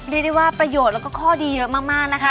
เรียกได้ว่าประโยชน์แล้วก็ข้อดีเยอะมากนะคะ